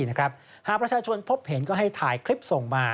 หากประชาชนพบเห็นก็ให้ถ่ายคลิปส่งมา